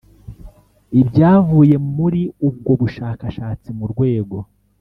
ibyavuye muri ubwo bushakashatsi mu rwego